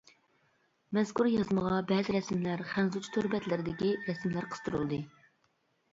مەزكۇر يازمىغا بەزى رەسىملەر خەنزۇچە تور بەتلىرىدىكى رەسىملەر قىستۇرۇلدى.